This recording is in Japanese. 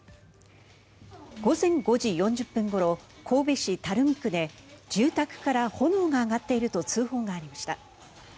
午前５時４０分ごろ神戸市垂水区で住宅から炎が上がっていると通報がありました。